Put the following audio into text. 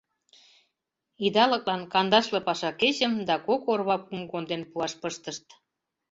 Идалыклан кандашле пашакечым да кок орва пум конден пуаш пыштышт.